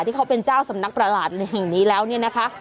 ที่เขาเป็นเจ้าสำนักประหลาดแห่งนี้แล้วเนี่ยนะคะ